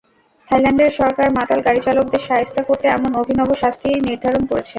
থাইল্যান্ডের সরকার মাতাল গাড়িচালকদের শায়েস্তা করতে এমন অভিনব শাস্তিই নির্ধারণ করেছে।